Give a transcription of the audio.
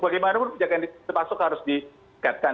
bagaimana pun penjagaan vaksin termasuk harus ditingkatkan